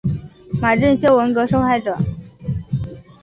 马正秀文革受害者。